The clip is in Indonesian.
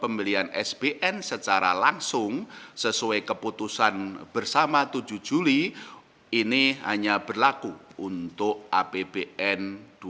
pembelian sbn secara langsung sesuai keputusan bersama tujuh juli ini hanya berlaku untuk apbn dua ribu dua puluh